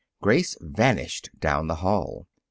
Grace vanished down the hall.